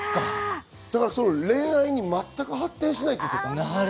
だから恋愛に全く発展しない。